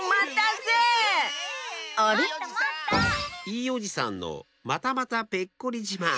いいおじさんのまたまたペッコリじまん。